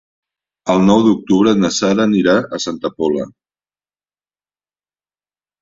El nou d'octubre na Sara anirà a Santa Pola.